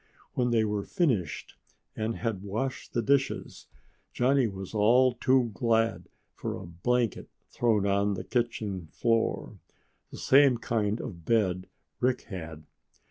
When they were finished and had washed the dishes, Johnny was all too glad for a blanket thrown on the kitchen floor the same kind of bed Rick had.